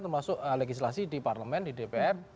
termasuk legislasi di parlemen di dpr